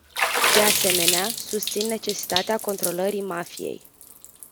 De asemenea, susțin necesitatea controlării mafiei.